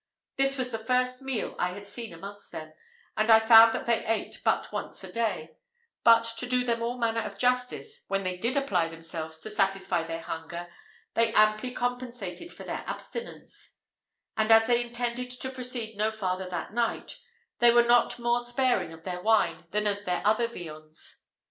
This was the first meal I had seen amongst them, and I found that they ate but once a day: but to do them all manner of justice, when they did apply themselves to satisfy their hunger, they amply compensated for their abstinence; and as they intended to proceed no farther that night, they were not more sparing of their wine than of their other viands.